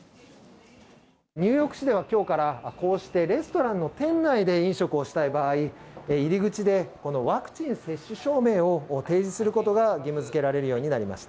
ニューヨーク市では今日からこうしてレストランの店内で飲食をしたい場合、入口で、このワクチン接種証明を提示することが義務づけられるようになりました。